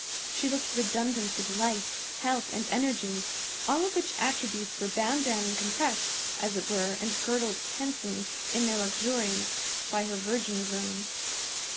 She looked redundant with life, health, and energy; all of which attributes were bound down and compressed, as it were and girdled tensely, in their luxuriance, by her virgin zone.